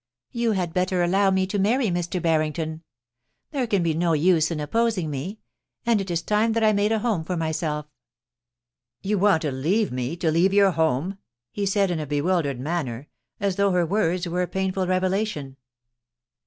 You had better allow me to marry Mr. Barrington. There can be no use in opposing me, and it is time that I made a home for myself ' You want to leave me — to leave your home,' he said, in 26o POLICY AND PASSION. a bewildered manner, as though her words were a painful revelation.